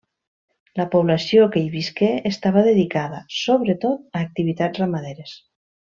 La població que hi visqué estava dedicada, sobretot, a activitats ramaderes.